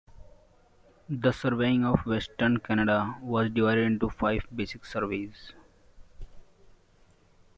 The surveying of western Canada was divided into five basic surveys.